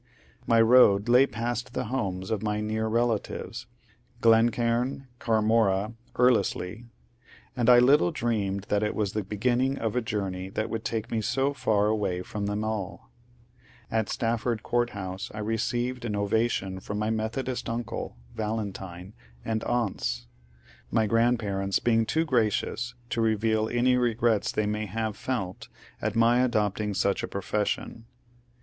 My road lay past the homes of my near relatives, — Glen oaim, Carmora, Erleslie, — and I little dreamed that it was the beginning of a journey that would take me so very far away from tliem all At Stafford Court House I received an ovation from my Methodist undo (Valentine) and aunts ; my grandparents being too gracious to reveal any regrets they may have felt at my adopting such a profession.